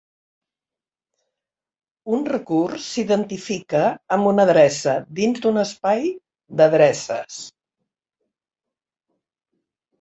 Un recurs s'identifica amb una "adreça" dins d'un "espai d'adreces".